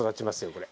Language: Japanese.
これ。